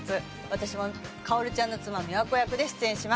私も薫ちゃんの妻美和子役で出演します。